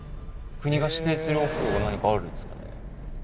国が指定するお風呂が何かあるんですかね。